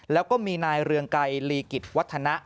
แล้วก็มีนายเรืองไกรลีกิจวัฒนะ